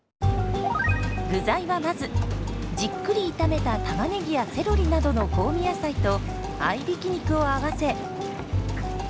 具材はまずじっくり炒めたタマネギやセロリなどの香味野菜と合いびき肉を合わせ。